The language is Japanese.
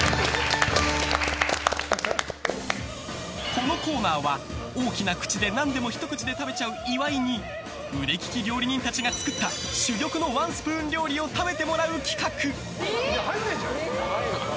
このコーナーは、大きな口で何でもひと口で食べちゃう岩井に腕利き料理人たちが作った珠玉のワンスプーン料理を食べてもらう企画。